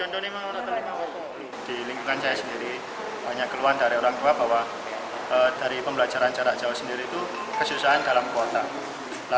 di lingkungan saya sendiri banyak keluhan dari orang tua bahwa dari pembelajaran jarak jauh sendiri itu kesusahan dalam kuota